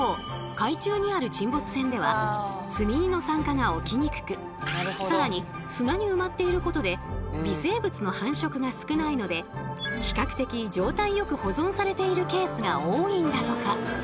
海中にある沈没船では積荷の酸化が起きにくく更に砂に埋まっていることで微生物の繁殖が少ないので比較的状態よく保存されているケースが多いんだとか。